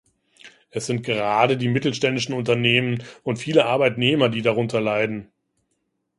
Es sind gerade die mittelständischen Unternehmen und viele Arbeitnehmer, die darunter leiden.